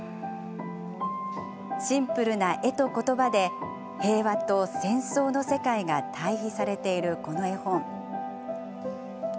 シンプルな絵と言葉で平和と戦争の世界が対比されているこの絵本。